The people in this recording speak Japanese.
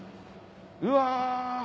うわ！